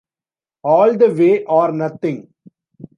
All the way or nothing.